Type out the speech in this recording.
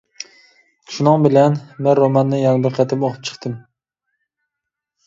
شۇنىڭ بىلەن مەن روماننى يەنە بىر قېتىم ئوقۇپ چىقتىم.